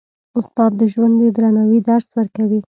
استاد د ژوند د درناوي درس ورکوي.